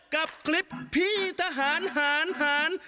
กับคลิปพี่ทหารหาร